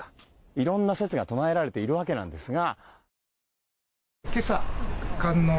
いろんな説が唱えられているわけですが。